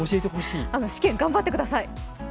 試験、頑張ってください。